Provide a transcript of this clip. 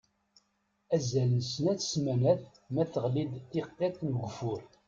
Azal n snat n ssamanat ma teɣli-d tiqqit n ugeffur.